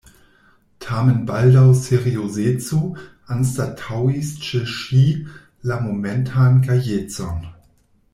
Tamen baldaŭ seriozeco anstataŭis ĉe ŝi la momentan gajecon.